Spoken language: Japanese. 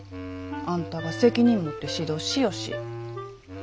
あんたが責任持って指導しよし。